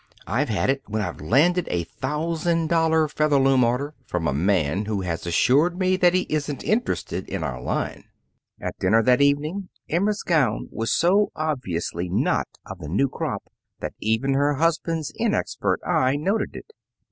"I've had it when I've landed a thousand dollar Featherloom order from a man who has assured me that he isn't interested in our line." At dinner that evening, Emma's gown was so obviously not of the new crop that even her husband's inexpert eye noted it.